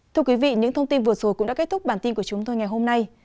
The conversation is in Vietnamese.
thưa quý vị những thông tin vừa rồi cũng đã kết thúc bản tin của chúng tôi ngày hôm nay